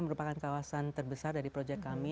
merupakan kawasan terbesar dari projek harapan